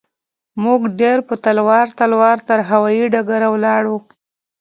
موږ ډېر په تلوار تلوار تر هوايي ډګره ولاړو.